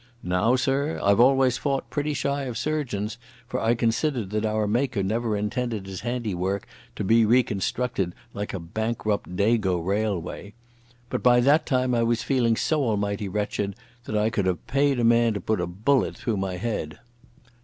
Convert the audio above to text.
Now, sir, I've always fought pretty shy of surgeons, for I considered that our Maker never intended His handiwork to be reconstructed like a bankrupt Dago railway. But by that time I was feeling so almighty wretched that I could have paid a man to put a bullet through my head.